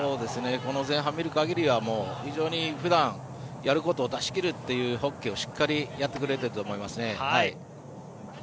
この前半を見る限りは非常に普段、やることを出し切るというホッケーをしっかりやってくれていると思いますね。